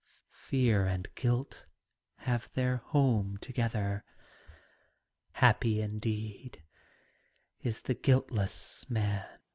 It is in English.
Fear and guilt have their home together: Happy indeed is the guiltless man